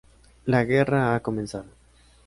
La guerra ha comenzado.